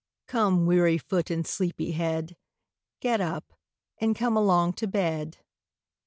Come, weary foot, and sleepy head, Get up, and come along to bed."